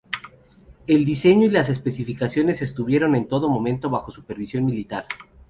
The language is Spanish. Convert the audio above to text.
El diseño y las especificaciones estuvieron en todo momento bajo supervisión militar.